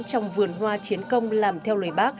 trong vườn hoa chiến công làm theo lời bác